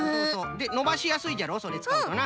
でのばしやすいじゃろそれつかうとな。